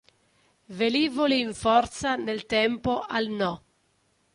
Velivoli in forza nel tempo al No.